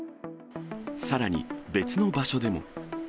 さらに、別の場所でも。